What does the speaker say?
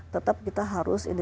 tetap kita harus ini